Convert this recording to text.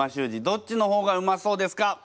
どっちの方がうまそうですか？